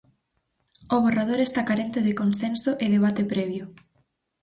O borrador está carente de consenso e debate previo.